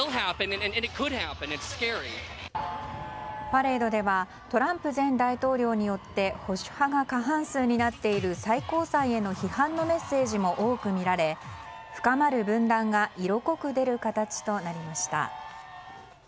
パレードではトランプ前大統領によって保守派が過半数になっている最高裁への批判のメッセージも多くみられ深まる分断が色濃く出る形となりました。